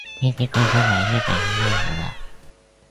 经纪公司为日本音乐娱乐。